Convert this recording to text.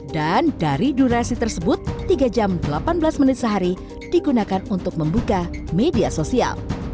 dan dari itu menurut mereka minat baca orang indonesia hanya satu yang artinya dari seribu orang hanya satu orang saja yang rajin membaca